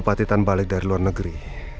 pak titan balik dari luar negeri